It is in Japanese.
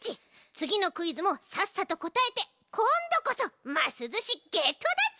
つぎのクイズもさっさとこたえてこんどこそますずしゲットだち！